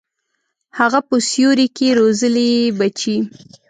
هغه په سیوري کي روزلي بچي